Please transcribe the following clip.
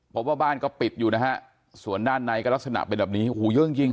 พบว่าบ้านก็ปิดอยู่นะฮะส่วนด้านในก็ลักษณะเป็นแบบนี้โอ้โหเยอะจริงจริง